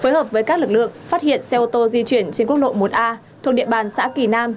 phối hợp với các lực lượng phát hiện xe ô tô di chuyển trên quốc lộ một a thuộc địa bàn xã kỳ nam